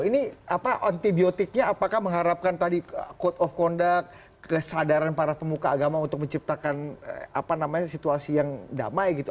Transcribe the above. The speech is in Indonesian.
ini apa antibiotiknya apakah mengharapkan tadi code of conduct kesadaran para pemuka agama untuk menciptakan apa namanya situasi yang damai gitu